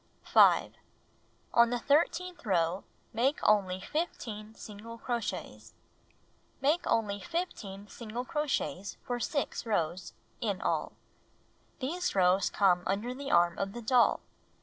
5. On the thir teenth row, make only 15 single crochets. Make only 15 single crochets for 6 rows (in all) . These rows come under the arm of the doll.